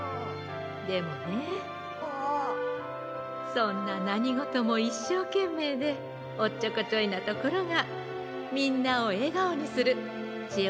そんななにごともいっしょうけんめいでおっちょこちょいなところがみんなをえがおにするちえおちゃんのいいところなんだよ。